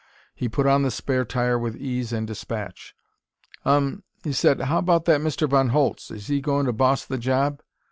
He put on the spare tire with ease and dispatch. "Um," he said. "How about that Mr. Von Holtz? Is he goin' to boss the job?"